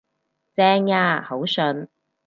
正呀，好順